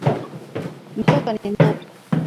Mtoto ni mzuri.